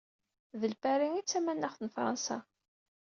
D Lpari i d tamanaɣt n Fransa.